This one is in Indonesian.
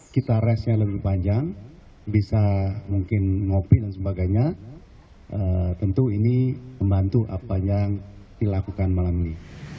kita race nya lebih panjang bisa mungkin ngopi dan sebagainya tentu ini membantu apa yang dilakukan malam ini